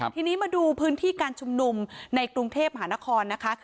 ทีนี้มาดูพื้นที่การชุมนุมในกรุงเทพมหานครนะคะ